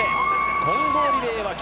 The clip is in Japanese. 混合リレーは金。